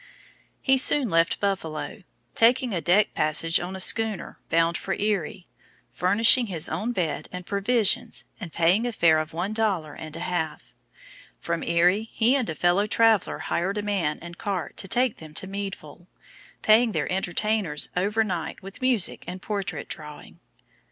He soon left Buffalo, taking a deck passage on a schooner bound for Erie, furnishing his own bed and provisions and paying a fare of one dollar and a half. From Erie he and a fellow traveller hired a man and cart to take them to Meadville, paying their entertainers over night with music and portrait drawing.